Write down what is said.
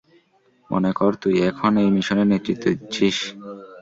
মনে কর, তুই এখন এই মিশনের নেতৃত্ব দিচ্ছিস।